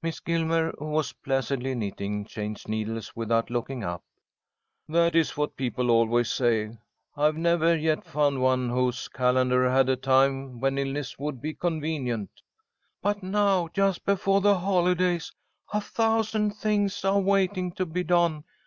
Miss Gilmer, who was placidly knitting, changed needles without looking up. "That is what people always say. I've never yet found one whose calendar had a time when illness would be convenient." "But now, just befoah the holidays, a thousand things are waiting to be done.